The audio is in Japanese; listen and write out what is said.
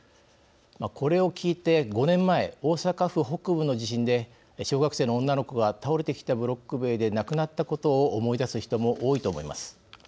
これを聞いて、５年前大阪府北部の地震で小学生の女の子が倒れてきたブロック塀で亡くなったことを思い出す人も多いと思います。